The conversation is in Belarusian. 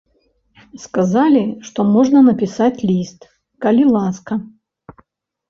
Сказалі, што можна напісаць ліст, калі ласка.